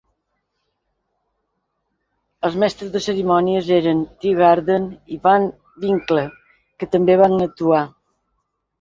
Els mestres de cerimònies eren Teegarden i Van Winkle, que també van actuar.